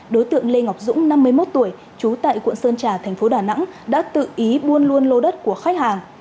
đối tượng lê ngọc dũng năm mươi một tuổi trú tại quận sơn trà thành phố đà nẵng đã tự ý buôn luôn lô đất của khách hàng